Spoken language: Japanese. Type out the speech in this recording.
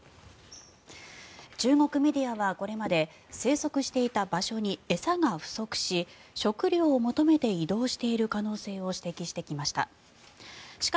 中国メディアはこれまで生息していた場所に餌が不足し、食料を求めて移動している可能性を指摘してきました。